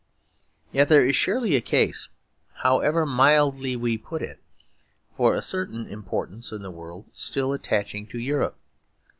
Yet there is surely a case, however mildly we put it, for a certain importance in the world still attaching to Europe.